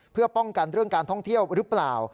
เพื่อป้องกันเรื่องการท่องเที่ยวหรือเปล่า